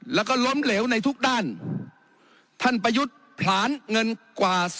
แล้วก็ล้มเหลวในทุกด้านท่านประยุทธ์ผลาญเงินกว่า